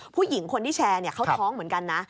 ผู้หญิงคนที่แชร์เขาท้องเหมือนกันนะ